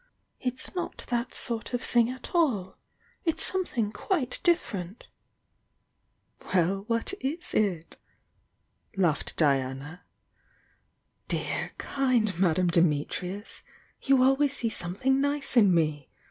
"It's not that sort of thing .ml 11 ' ■"""^tl^'ng quite different!" WeU, what it it?" laughed Diana. "Dear, kind Madame Dimitri" — you always see something nice m me!